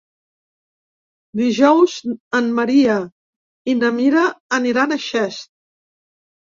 Dijous en Maria i na Mira aniran a Xest.